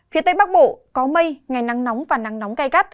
phía tây bắc bộ có mây ngày nắng nóng và nắng nóng cay cắt